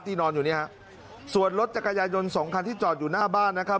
นอนอยู่เนี่ยฮะส่วนรถจักรยายนสองคันที่จอดอยู่หน้าบ้านนะครับ